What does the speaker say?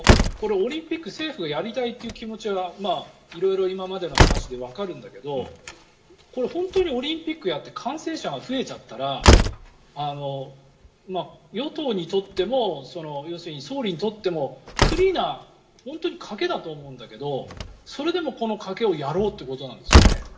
オリンピック政府がやりたいって気持ちは色々今までの話でわかるんだけど本当にオリンピックをやって感染者が増えちゃったら与党にとっても総理にとっても不利な賭けだと思うんだけどそれでもこの賭けをやろうっていうことなんですかね。